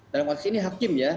dalam konteks ini hakim ya